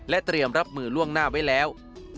เตรียมรับมือล่วงหน้าไว้แล้ว